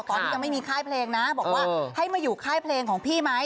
ตอนที่ยังไม่มีค่ายเพลงนะบอกว่าให้มาอยู่ค่ายเพลงของพี่ไหม